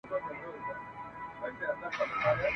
بس پردی وم بس بی واکه وم له ځانه !.